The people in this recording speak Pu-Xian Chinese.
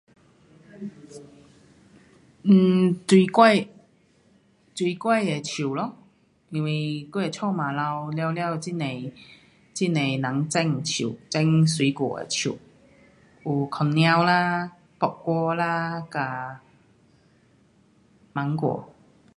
um 水果水果的树因为我的家 [unintelligible] 很多人种树种果树有香蕉木瓜芒果